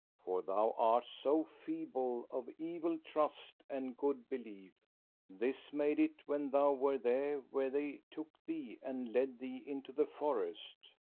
For thou art so feeble of evil trust and good belief, this made it when thou were there where they took thee and led thee into the forest.